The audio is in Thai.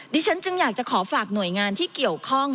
ฉันจึงอยากจะขอฝากหน่วยงานที่เกี่ยวข้อง